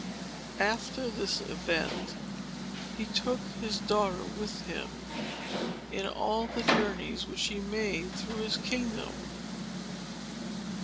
After this event, he took his daughter with him in all the journeys which he made through his kingdom.